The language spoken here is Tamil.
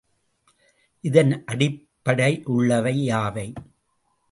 இதன் அடிப்படையுள்ளவை யாவை?